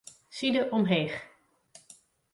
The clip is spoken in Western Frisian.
Side omheech.